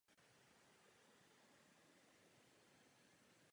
Obvykle snáší dvě až tři bílá vejce.